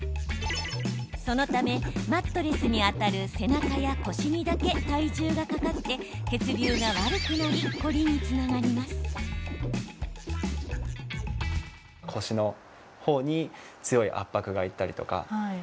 そのため、マットレスに当たる背中や腰にだけ体重がかかって血流が悪くなり凝りにつながります。